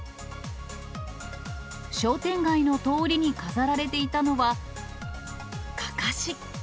商店街の通りに飾られていたのは、かかし。